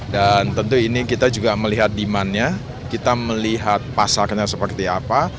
dan tentu ini kita juga melihat demand nya kita melihat pasarnya seperti apa